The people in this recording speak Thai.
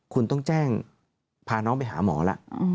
คุณต้องแจ้งพาน้องไปหาหมอแล้ว